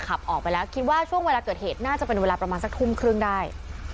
ขับออกไปแล้วคิดว่าช่วงเวลาเกิดเหตุน่าจะเป็นเวลาประมาณสักทุ่มครึ่งได้